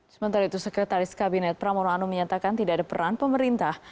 sementara itu sekretaris kabinet pramono anung menyatakan tidak ada peran pemerintah